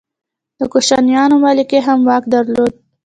د کوشانیانو ملکې هم واک درلود